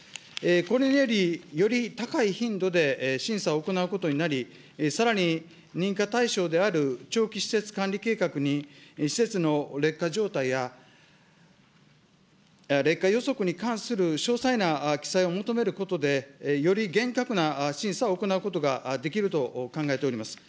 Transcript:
これにより、より高い頻度で審査を行うことになり、さらに認可対象である長期施設管理計画に施設の劣化状態や、劣化予測に関する詳細な記載を求めることで、より厳格な審査を行うことができると考えております。